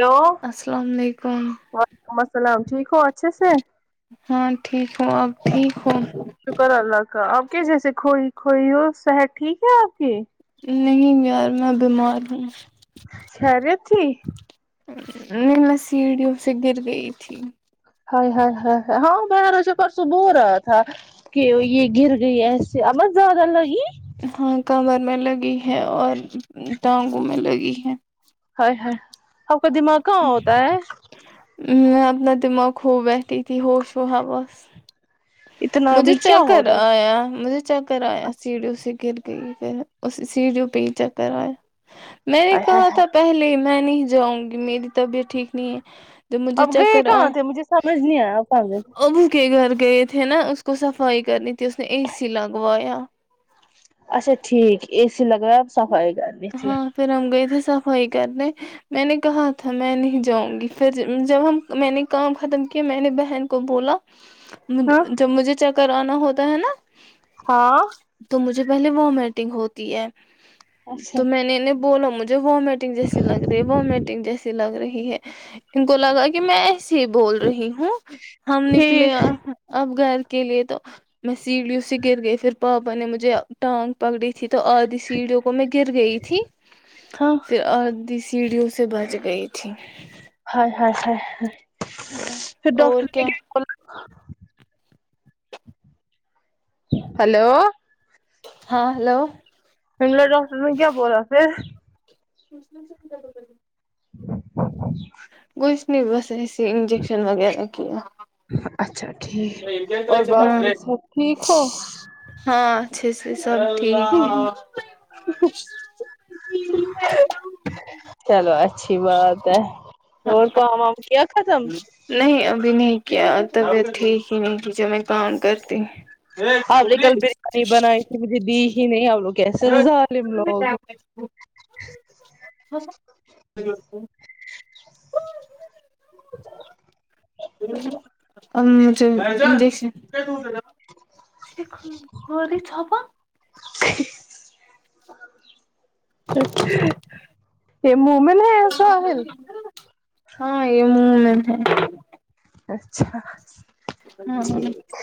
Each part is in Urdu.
ہیلو السلام علیکم وعلیکم السلام ہو اچھے سے ہاں ٹھیک ہوں اپ بھی ہو شکر اللہ کا اپ کیسے کھوئی کھوئی اور صحت ٹھیک ہے اپ کی نہیں یار میں بیمار ہوں خیریت تھی سی ویڈیو سے گر گئی تھی ہائے ہائے ہائے بول رہا تھا کہ یہ گر گئی ایسے عمل زیادہ نہیں ہاں کمر میں لگی ہے اور ٹانگوں میں لگی ہیں [inaudible] اپ کا دماغ کہاں ہوتا ہے میں اپنا دماغ خوب رہتی تھی اتنا مجھے بھی کیا چیک ہو کر رہا ہے ایا مجھے چیک کرایا اچھا سیڑھی سی کے بس سیڑھیوں پہ ہی چکر ایا میں نے ہائے ہائے کہا ہائے تھا پہلے میں نہیں جاؤں گی میری طبیعت ٹھیک نہیں ہے جب مجھے اپ گئے چکر آئے کہاں تھے مجھے سمجھ نہیں ایا ابو کے گھر گئے تھے نا اس کو صفائی کرنی تھی اس نے اے سی لگوایا اچھا ٹھیک اس لگ صف ائے گا دیکھ لی ہاں پھر ہم گئے تھے صفائی کرنے میں نے کہا ہمیں نہیں جاؤں گی جب ہم میں نے کام ختم کیا میں نے بہن کو بولا ہاں جب مجھے چک کر انا ہوتا ہے نا ہاں تو مجھے پہلے وہ میٹنگ ہوتی ہے اچھا تو میں نے انہیں او نا مجھے وہ میٹنگ جیسی لگ رہی ہے وہ میٹنگ جیسی لگ رہی ہے ان کو لگا کہ میں یہ بول رہی ہوں ہم نکلے ٹھیک اب گھر کے لیے تو میں سی ڈی سی گر گئی پھر پاپا نے مجھے ٹانگ پکڑی تھی تو اج سے ویڈیو کو میں گر گئی تھی ہاں ریڈیو سے بچ گئی تھی ہائے ہائے ہائے ہائے پھر اور ڈاکٹر کیا ہیلو ہاں ہلو ڈاکٹر نے کیا بولا [unintelligible] [unintelligible] کچھ نہیں بس ایسے ہی انجکشن وغیرہ کی اچھا ٹھیک اور باقی سب ٹھیک ہو [unintelligible] چلو [unintelligible] اچھی بات ہے اور کام ہم کیا ختم نہیں ابھی نہیں کیا تو میں ٹھیک ہی نہیں کی جو میں کام کرتی ہوں مجھے دی ہی نہیں ہم لوگ کیسے ظالم لوگ [unintelligible] [unintelligible] [unintelligible] یہ مومن ہے ہاں یہاں [unintelligible] ٹھیک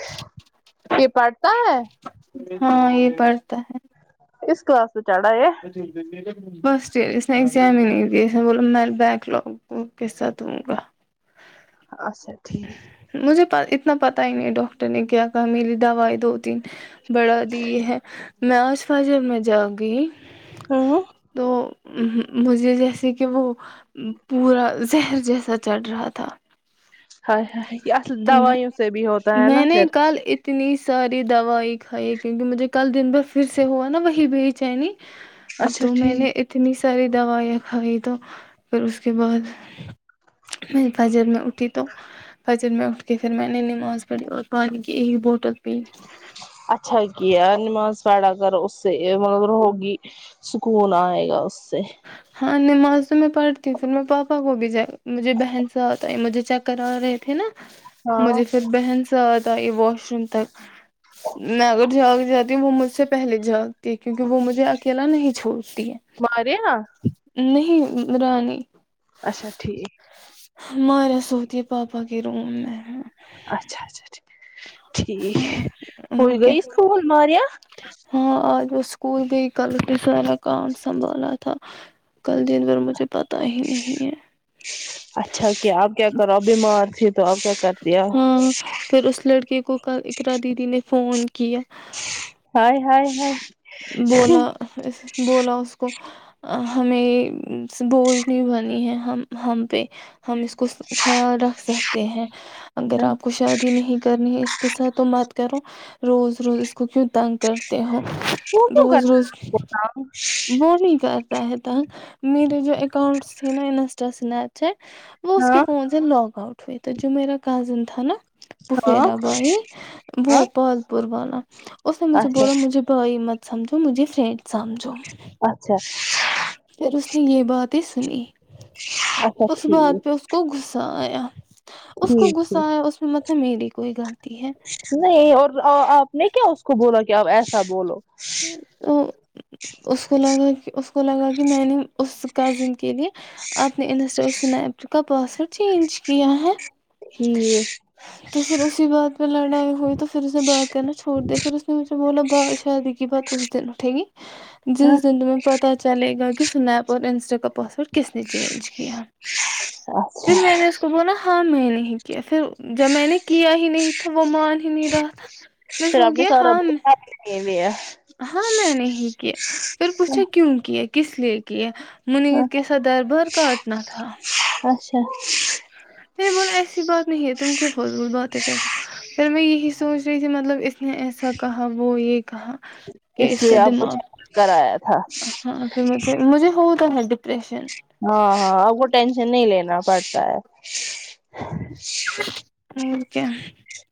یہ بڑھتا ہے ہاں یہ پڑھتا ہے اس کا [unintelligible] دوں گا عاشق تھی مجھے اتنا پتہ ہی نہیں ڈاکٹر نے کیا کہا میری دعائی دو تین بڑھا دی ہے میں اس واجب میں جاگ گئی تو [unintelligible] مجھے جیسے کہ وہ پورا زہر جیسا چل رہا تھا ہائے ہائے تو دوائیوں سے بھی ہوتا ہے نا پھر تیری ساری دوائی کھائی ہے کیونکہ مجھے کل دن بھر پھر سے ہوا نا وہیں چینی اچھا تو میں ٹھیک نے اتنی ساری دوائیں تو پھر اس کے بعد جب میں اٹھی تو دن میں اٹھ کے پھر میں نے نماز پڑھی اور ایک بوتل پانی پیا اچھا یہ ہے نماز سااگر اس سے ہوگی سکون ائے گا [inaudible] نمازوں میں پڑھتی ہوں پھر میں پاپا کو بھی جائے گا مجھے بہن سے ہوتا ہے مجھے چیک کرا رہے تھے نا ہاں مجھے تو بہن تو ائی واش روم تک میں اگر جاگ جاتی ہوں وہ مجھ سے پہلے جا کے کیونکہ وہ مجھے اکیلا نہیں چھوڑتی ہے [inaudible] [inaudible] نہیں رانی اچھا ٹھیک ماریہ سوتی ہے پاپا کے روم میں اچھا اچھا ٹھیک ہو اور کیا گئی سکول ماریا ہاں وہ سکول میں کل سارا کام سنبھالا تھا کل دن اور مجھے پتا ہی نہیں ہے اچھا کیا اپ کیا کرو بیمار تھی تو کر دیا ہاں پھر اس لڑکے کو کل اقراء دیدی فون کی ہے ہائے ہائے ہائے اس کو ٹھیک ہے ہمیں بوجھ نہیں بنی ہے ہم ہم پہ ہم اس کو رکھ سکتے ہیں اگر اپ کو شادی نہیں کر اس کے ساتھ تو مت کرو روز روز اس کو کیوں تنگ وہ کیوں روز کر روز وہی کرتا ہے میرے جو اکاؤنٹس تھے ناشتہ سنیکس ہے وہ اس کے ہاں فون سے لاگ اؤٹ ہوئے تو کازند تھا نا ہاں پفےرا بای وہ ہاں پال پور والا [inaudible] اس نے مجھے اچھا بولا مجھے بھائی مت سمجھو مجھے فرینڈ سمجھو اچھا پھر اس یہ باتیں سنی اچھا اس ٹھیک بات پہ اس کو غصہ [inaudible] اس کو ٹھیک غصہ ٹھیک ہے اس میں میری کوئی گل نہیں اور اپ نے کیا اس کو بولو کیا ایسا بولو اس کو لگا اس کو لگا کہ میں نے اس کا زندگی اپ نے انسٹور سنا ہے تو کا پاسورڈ چینج کیا ہے جی تو پھر لڈای ہوی تو پھر جس نے بات کرنا چھوڑ دے پھر اس نے مجھے بولا با شادی اس دن اٹھے گی جس دن تمھے پتا چلے چلے گا کہ سنیپ اور انسٹر کا پاسورڈ کس نے چینج کیا اچھا پھر میں نے اس کو بونا میں نہیں کیسے جب میں نے کیا ہی نہیں تھا ہو پھر آپ نے گیا سورب ہاں میں لیا ہاں مے نے ہی کیا کیا پھر پوچھا کیوں کیا یہ کس لیے کی ہے منیر کے صدر بر کاٹنا تھا اچھا ایسی بات نہیں ہے تم کیوں فضول باتیں کر سوچ رہی تھی مطلب ایسا کہا وہ یہ کہا کہ اس کا لیے آپ کو دماغ چیک کرایا تھا اان پھر مجھے خود [inaudible] ہان ہان وہ ٹینشن نہیں لینا پتا ہی [unintelligible] [unintelligible]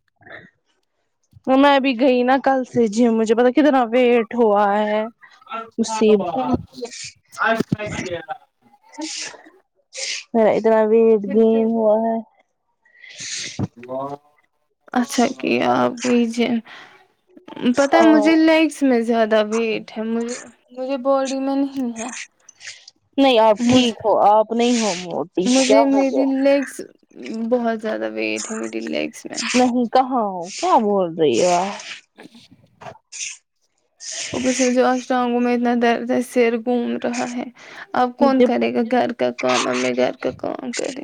میں بھی گئی نا کل سے جیم مجھے پتہ ہے کتنا ویٹ ہوا ہے مصیبت [unintelligible] [unintelligible] [unintelligible] اچھا کیا ابھی جے پتا ہیں ہاں مجھے لیگز میں زیادہ ویٹ ہیں مجھے مجھے باڈی میں نہیں ہے نہیں آپ مجھ ٹھیک ہو آپ نہیں ہو موٹی کیا بھولو ہمم بہت زیادہ ویٹ ہیں میری لیگز میں نہیں کہاں ہو کیا بول رہی ہو آپ اوپر سے آج ٹانگوں میں اتنا درد ہے سر گوم رہا ہیں اب کون مجھے کریگا گھر کا کام اب میں گھر کا کام کرے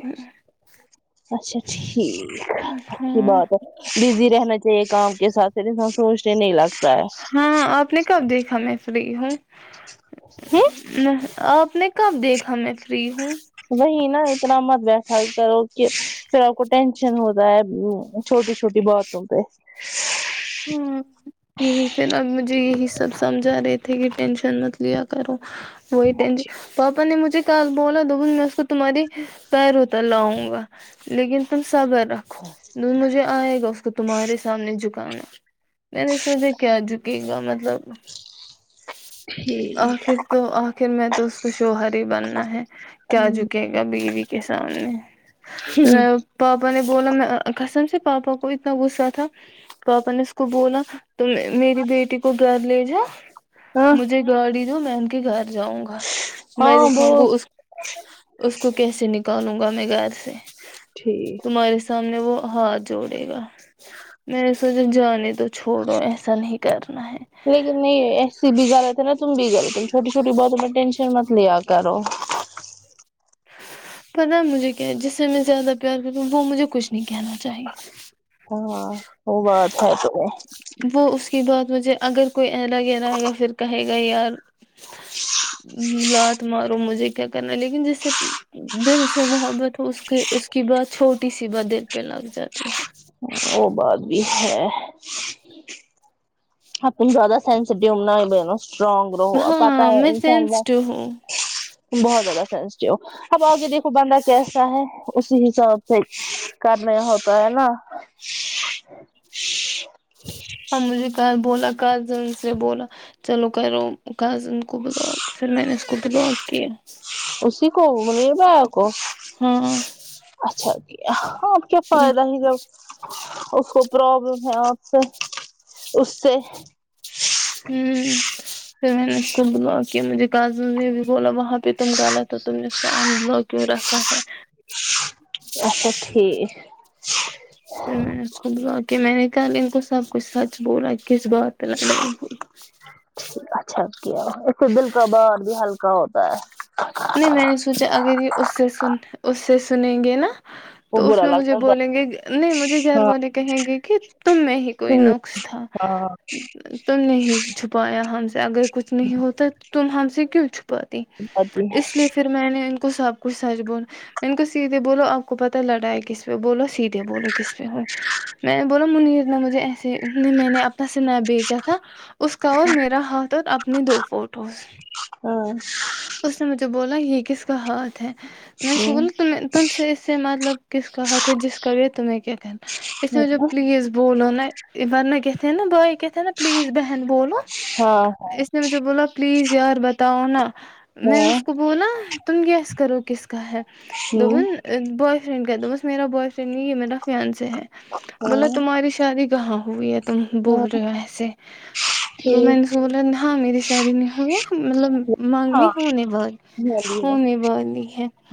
اچھا ٹھیک اچھی ہاں بات ہیں بزی رہنا چاہیے کام کے ساتھ صرف میں سونچتی ہوں ہاں اپنے کب دیکھا میں ف [unintelligible] ہیں آپ نے کب دیکھا میں فری ہوں وہی نا اتنا مت ویسا کرو کہ پھر اپ کو ٹنشن ہوتا ہے چھوٹی چھوٹی باتوں پہ ہاں یہی پھر اب مجھے یہی سب سمجھا رہیں تھے کہ ٹنشن مت لیا کرو وہی ٹنشن پاپا نے مجھے کل بولا دوپن میں اس کو تمہارے پیرو تل لاوں گا لیکن تم سبر رکھو دوپن مجھے ایگا اس کو تمہارے سامنےجھک [unintelligible] [unintelligible] مینے سونچا کیا جھ گیجا مطلب ٹھیک آکھر تو آکھر میں [inaudible] وہ غریب بننا ہے کیا جھکے گا بیوی کے سامنے پاپا نے بولا میں قسم سے پاپا کو [unintelligible] اس کو بولا میری بیٹی کو [unintelligible] ہاں ہاں وہ [unintelligible] [unintelligible] [unintelligible] [unintelligible] تمہارے ساتھ وہ ہاتھ جوڑے گا [unintelligible] جانے دو ایسا نہیں کرنا ہے لیکن نہیں ایسی [unintelligible] چھوٹی چھوٹی باتیں مت لیا کرو مجھے جسم میں زیادہ پیار کرتی ہوں وہ مجھے کچھ نہیں کہنا چاہیے [unintelligible] وہ اس [unintelligible] بات مجھے اگر کوئی الگ الگا پھر کہے گا یار رات مارو مجھے کیا کرنا ہے لیکن جس سے دل سے محبت اس کی اس کی بات چھوٹی سی باتیں پہ لگ جاتی ہے وہ بعد بھی ہے اپ زیادہ ٹائم سٹرانگ رو اب اتا ہاں ہے میں انشاءاللہ سینسٹو ہوں بہت زبردست اب اگے دیکھو بندہ ایسا ہے اسی حساب سے کا نیا ہوتا ہے نا [unintelligible] سے بولا چلو کرو گا ان کو بلاک پھر میں نے اس کو بلاک کیا [unintelligible] [unintelligible] [unintelligible] اس ہاں پھر کو پرابلم ہے اپ سے اس سے [unintelligible] اچھا ٹھیک [inaudible] یہ میں نے کہا ان کو سب کچھ کس بات پہ لڑائی ہوئی اچھا کیا دل کباب اور بھی ہلکا ہوا [unintelligible] کا ہوتا ہے نہیں میں نے سوچا ابھی اس سے اس سے چلیں گے نا [unintelligible] وہ تو اس برا نے مجھے لگتا زیادہ۔ بولیں گے نہیں مجھے گھر ہاں والے کہیں گے کہ تم میں ہی کوئی نقص تھا ہاں تم نے ہی چھپایا اگر کچھ نہیں ہوتا تم ہنسی کیوں چھپاتے ہاں ہیں [inaudible] [unintelligible] اس لیے پھر میں نے ان کو سب کچھ سائڈ بولا ان کو سیدھی بولو اپ کو پتہ ہے لڈا ہے کس پہ بولو سی کیا بولو کس پہ ہو میں بولا منیر مجھے ایسے میں نے اپنا سے میں بھیجا تھا اس کا اور میرا ہاتھ اب نہیں دو فور [inaudible] تو بولا یہ کس کا ہاتھ منسول تم سے اس سے مطلب کس کا ہاتھ ہے جس کا یہ تمہیں کیا کہ مجھے پلیز بولنا ہے ورنہ کہتے ہیں نا بھائی پلیز بہن بولو ہاں ہاں اس نے مجھے بولا پلیز یار بتاؤ نا میں نے اس کو بولا تم گیس کرو کس [inaudible] ہوں فرینڈ کر دو بس میرا بوائزن نہیں ہے میرا خیال بولا ہاں تمہاری شادی کہاں ہوئی ہے تم ہاں بول رہے ہو ایسے تو میں ٹھیک رسول اللہ میری ساری نہیں ہوگی مطلب مانگ ہاں میں بھی ہے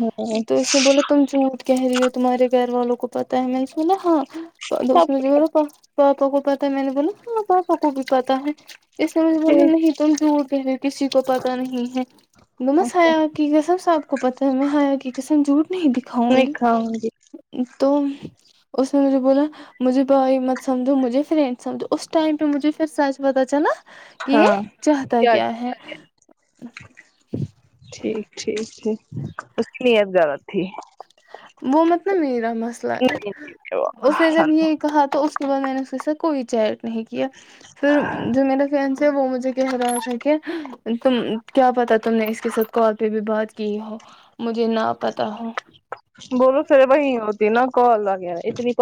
ہاں تو اس میں بولا تم چ چہرے تمہارے گھر والوں کو پتہ ہے میں سنا ہاں سب اس نے مجھے بولا بولا پاپا کو پت ہے میں نے بولا ہاں پاپا کو بھی پتہ ہے اس نے مجھے بولا نہیں تم جھوٹ [inaudible] کسی کو پتہ نہیں ہے کچھ صاحب کو پتہ ہے میں [unintelligible] دکھاؤں میں کھاؤں گی تو اس میں نے بولا مجھے بھائی مت سمجھو مجھے فرینڈ ٹائم تو مجھے پھر سائز پتہ چلا کہ ہاں جاتا کیا ہے [unintelligible] [unintelligible] [unintelligible] [unintelligible] زیارت تھی وہ مطلب مسئلہ نہیں اس نے جب نہیں یہ کہا میں نے سسا کوئی نہیں کیا پھر جو میں نے وہ مجھے کہہ رہا تھا کہ بالکل کیا پتہ تم نے اس کے سب کو ہاتھ پہ بھی بات جی مجھے نہ پتہ بولو سارے بھائی [unintelligible] دینا کو اللہ